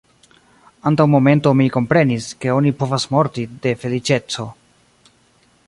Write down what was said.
Antaŭ momento mi komprenis, ke oni povas morti de feliĉeco.